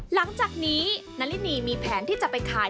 หลังจากนี้นารินีมีแผนที่จะไปขาย